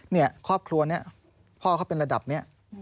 เนี่ยครอบครัวนี้พ่อเขาเป็นระดับนี้